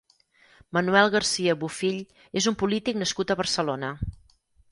Manuel García Bofill és un polític nascut a Barcelona.